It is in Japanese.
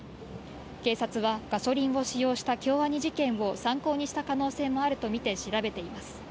警察は、ガソリンを使用した京アニ事件を参考にした可能性もあると見て調べています。